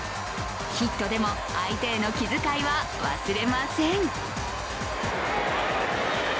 ヒットでも相手への気遣いは忘れません。